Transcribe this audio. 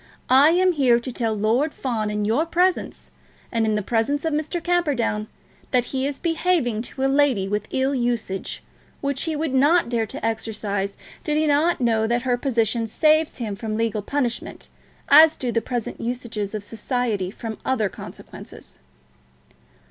"I am here to tell Lord Fawn in your presence, and in the presence of Mr. Camperdown, that he is behaving to a lady with ill usage, which he would not dare to exercise did he not know that her position saves him from legal punishment, as do the present usages of society from other consequences."